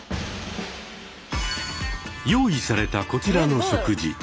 用意されたこちらの食事。